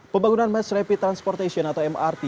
pembangunan mass rapid transportation atau mrt